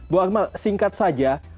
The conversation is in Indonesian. bu akmal singkat saja